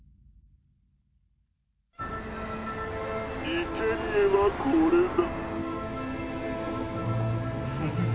「いけにえはこれだ」。